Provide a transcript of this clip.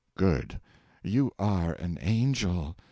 Good! You are an angel?